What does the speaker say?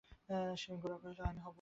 গোরা কহিল, আমি হব।